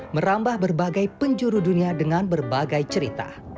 merambah berbagai penjuru dunia dengan berbagai cerita